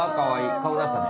顔だしたね。